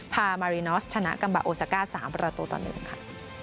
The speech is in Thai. พามารินอทชนะกลับอยูสกา๓ประตูต่อหนึ่งค่ะ